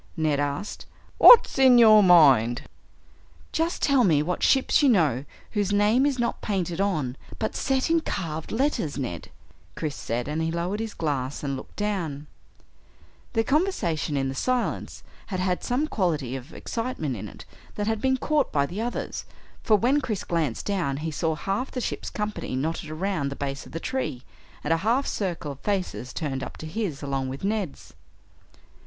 Ned asked. "What's in your mind?" "Just tell me what ships you know whose name is not painted on but set in carved letters, Ned," Chris said, and he lowered his glass and looked down. Their conversation, in the silence, had had some quality of excitement in it that had been caught by the others, for when Chris glanced down he saw half the ship's company knotted around the base of the tree, and a half circle of faces turned up to his, along with Ned's.